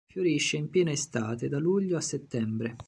Fiorisce in piena estate, da luglio a settembre.